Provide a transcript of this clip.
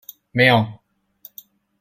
沒有